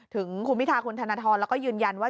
ถึงคุณพิธาคุณธนทรแล้วก็ยืนยันว่า